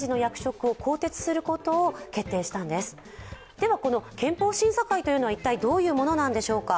ではこの憲法審査会というのは一体どういうものなんでしょうか。